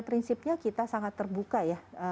prinsipnya kita sangat terbuka ya